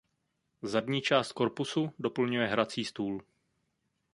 Zadní část korpusu doplňuje hrací stůl.